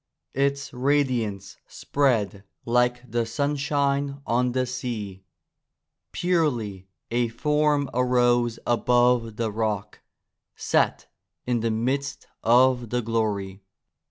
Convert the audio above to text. Its radiance spread like the sunshine on the sea. Purely a form arose above the rock, set in the midst of the glory.